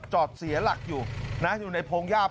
จอดเสียหลักอยู่ในโพงยาบ